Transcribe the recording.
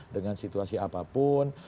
dengan situasi apapun